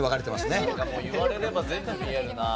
なんかもう言われれば全部見えるな。